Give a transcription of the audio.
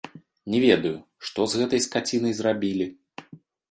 Не ведаю, што з гэтай скацінай зрабілі.